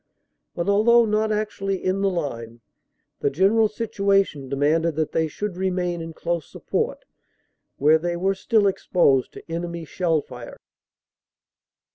But although not actually in the line, the general situation de manded they should remain in close support, where they were still exposed to enemy shell fire.